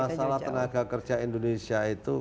masalah tenaga kerja indonesia itu